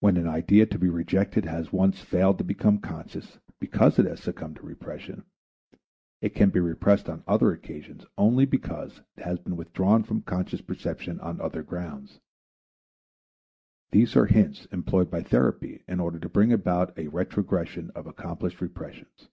When an idea to be rejected has once failed to become conscious because it has succumbed to repression, it can be repressed on other occasions only because it has been withdrawn from conscious perception on other grounds. These are hints employed by therapy in order to bring about a retrogression of accomplished repressions.